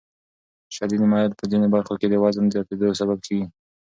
شدید میل په ځینو برخو کې د وزن زیاتېدو سبب کېږي.